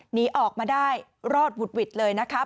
หนีออกมาได้รอดหวุดหวิดเลยนะคะ